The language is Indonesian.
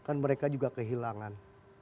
kan mereka juga kehilangan